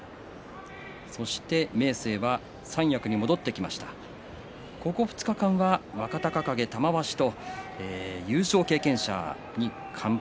そして明生は三役に戻ってきました東の小結、ここ２日間若隆景、玉鷲と優勝経験者に完敗。